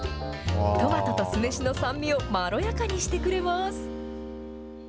トマトと酢飯の酸味をまろやかにしてくれます。